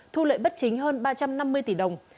thu lợi bất chính hơn ba trăm năm mươi tỷ đồng